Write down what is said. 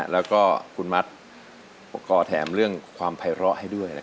แล้วก็คุณมัดก่อแถมเรื่องความภัยร้อให้ด้วย